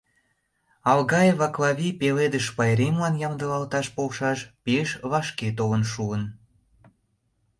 Алгаева Клавий Пеледыш пайремлан ямдылалташ полшаш пеш вашке толын шуын.